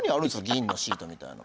銀のシートみたいなの。